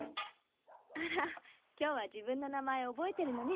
あら今日は自分の名前覚えてるのね。